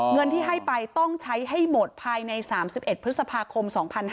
เงินที่ให้ไปต้องใช้ให้หมดภายใน๓๑พฤษภาคม๒๕๕๙